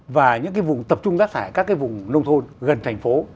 và những cái vùng tập trung rác thải các cái vùng nông thôn gần thành phố